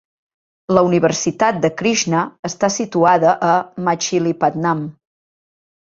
La Universitat de Krishna està situada a Machilipatnam.